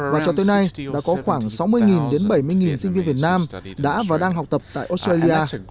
và cho tới nay đã có khoảng sáu mươi đến bảy mươi sinh viên việt nam đã và đang học tập tại australia